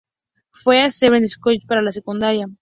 Fue a Severn School para la secundaria.